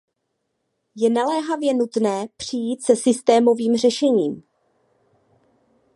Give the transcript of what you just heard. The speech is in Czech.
Je naléhavě nutné přijít se systémovým řešením.